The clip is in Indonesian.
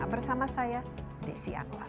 bersama saya desi anwar